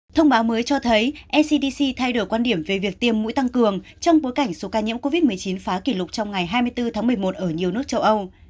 thông báo mới cho thấy ncdc thay đổi quan điểm về việc tiêm mũi tăng cường trong bối cảnh số ca nhiễm covid một mươi chín phá kỷ lục trong ngày hai mươi bốn tháng một mươi một ở nhiều nước châu âu